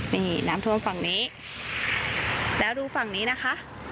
นี่น้ำท่วมฝั่งนี้แล้วรูฝั่งนี้นะคะ